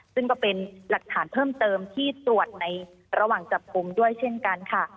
ซึ่งก็เป็นหลักฐานเพิ่มเติมที่ตรวจในระหว่างจับกลุ่มด้วยเช่นกันค่ะ